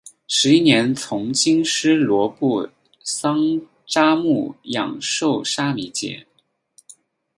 十一年从经师罗卜桑札木养受沙弥戒。